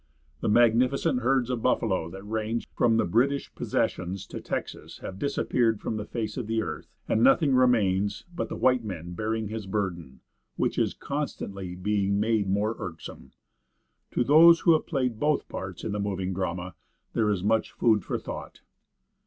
The magnificent herds of buffalo that ranged from the British possessions to Texas have disappeared from the face of the earth, and nothing remains but the white man bearing his burden, which is constantly being made more irksome. To those who have played both parts in the moving drama, there is much food for thought.